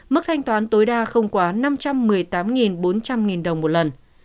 mức thanh toán tối đa không quá năm trăm một mươi tám bốn trăm linh đồng một lần